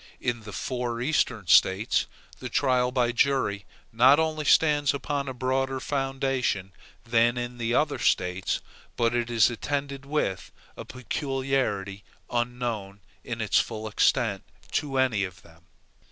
In the four Eastern States, the trial by jury not only stands upon a broader foundation than in the other States, but it is attended with a peculiarity unknown, in its full extent, to any of them.